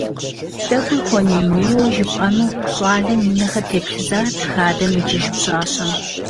ТӀэкӀуи хуэней-нейуэ жыпӀэну щӏалэм и нэхэр теплъызат хадэм икӀыж пщащэм.